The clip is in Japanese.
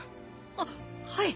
あっはい。